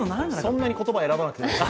そんなに言葉選ばなくても。